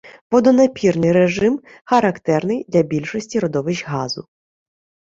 Водонапірний режим характерний для більшості родовищ газу.